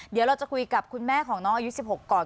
เดี๋ยวเราจะคุยกับคุณแม่ของน้องอายุ๑๖ก่อน